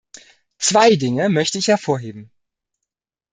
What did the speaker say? Zwei Dinge möchte ich hervorheben.